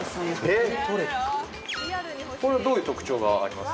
これどういう特徴があります？